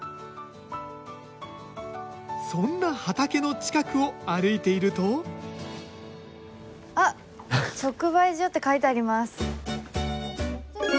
そんな畑の近くを歩いているとあっ「直売所」って書いてあります。